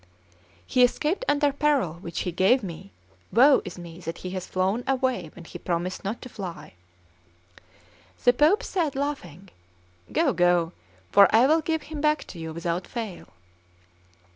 "He escaped under parole which he gave me; woe is me that he has flown away when he promised not to fly!" The Pope said, laughing: "Go, go; for I will give him back to you without fail."